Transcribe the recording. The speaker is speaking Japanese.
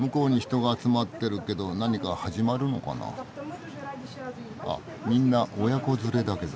あっみんな親子連れだけど。